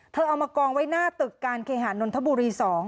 เอามากองไว้หน้าตึกการเคหานนทบุรี๒